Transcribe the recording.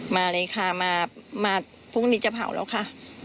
มาเลยค่ะมาพรุ่งนี้จะเผาแล้วค่ะ